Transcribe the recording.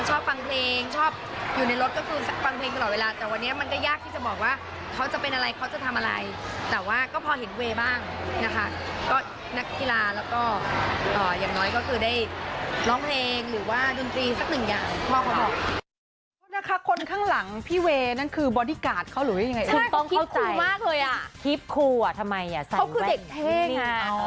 ชอบฟังเพลงชอบอยู่ในรถก็คือฟังเพลงตลอดเวลาแต่วันนี้มันก็ยากที่จะบอกว่าเขาจะเป็นอะไรเขาจะทำอะไรแต่ว่าก็พอเห็นเวย์บ้างนะคะก็นักกีฬาแล้วก็อย่างน้อยก็คือได้ร้องเพลงหรือว่าดนตรีสักหนึ่งอย่างพ่อเขาบอกนะคะคนข้างหลังพี่เวย์นั่นคือบอดี้การ์เขาหรือยังไงถูกต้อง